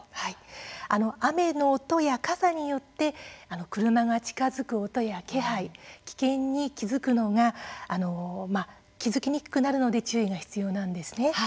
雨の音や傘によって車が近づく音や気配、危険に気付くのが気付きにくくなるので注意が必要なんです。